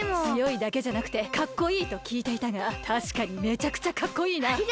つよいだけじゃなくてかっこいいときいていたがたしかにめちゃくちゃかっこいいな。